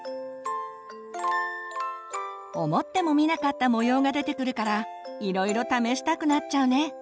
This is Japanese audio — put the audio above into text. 思ってもみなかった模様が出てくるからいろいろ試したくなっちゃうね。